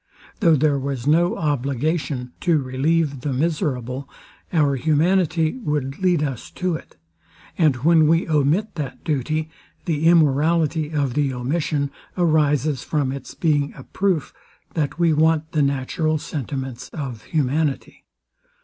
Though there was no obligation to relieve the miserable, our humanity would lead us to it; and when we omit that duty, the immorality of the omission arises from its being a proof, that we want the natural sentiments of humanity.